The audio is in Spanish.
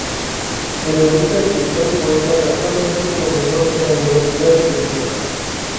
Periodista, escritor y poeta, actualmente es profesor en la Universidad de Sevilla.